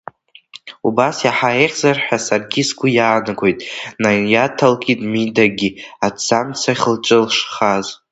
Убас иаҳа еиӷьзар ҳәа саргьы сгәы иаанагоит, наиаҭалкит Мидагьы, аҭӡамцахь лҿы шхаз.